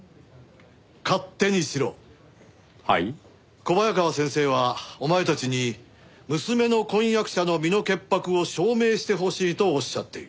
小早川先生はお前たちに娘の婚約者の身の潔白を証明してほしいとおっしゃっている。